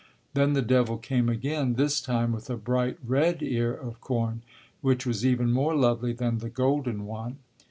Then the devil came again, this time with a bright red ear of corn which was even more lovely than the golden one.